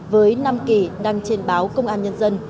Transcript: với năm kỳ đăng trên báo công an nhân dân